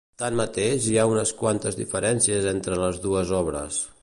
Tanmateix, hi ha unes quantes diferències entre les dues obres.